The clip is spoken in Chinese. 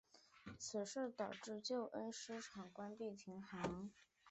此事故导致旧恩施机场关闭停航。